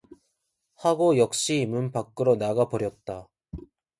하고 역시 문 밖으로 나가 버렸다.